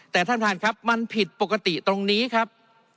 แต่ท่านประธานครับมันผิดปกติตรงนี้ครับ